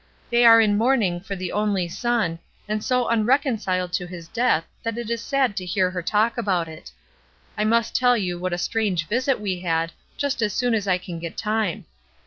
They are in mourning for the only son, and so unreconciled to his death that it is sad to hear her talk about it. I must tell you what a strange visit we had, just as soon as I can get time.